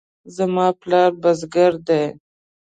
زما پلار بزګر دی